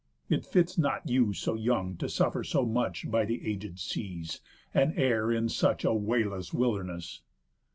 It fits not you so young To suffer so much by the aged seas, And err in such a wayless wilderness."